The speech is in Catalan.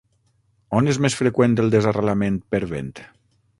On és més freqüent el desarrelament per vent?